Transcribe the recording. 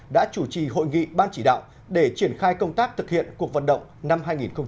đã chủ trì hội nghị ban chỉ đạo để triển khai công tác thực hiện cuộc vận động năm hai nghìn hai mươi